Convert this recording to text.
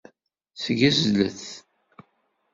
Ssgezlet.